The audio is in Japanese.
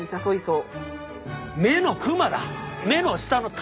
う。